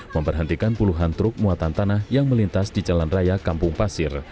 memberhentikan puluhan truk muatan tanah yang melintas di jalan raya kampung pasir